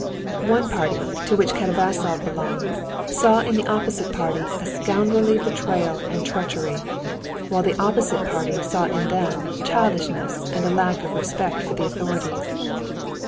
One party, to which Katavasov belonged, saw in the opposite party a scoundrelly betrayal and treachery, while the opposite party saw in them childishness and lack of respect for the authorities.